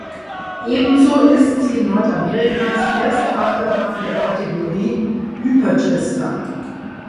Ebenso ist sie nordamerikas erste Achterbahn der Kategorie "Hyper-Twister".